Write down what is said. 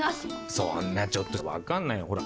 そんなちょっとじゃわかんないよほら。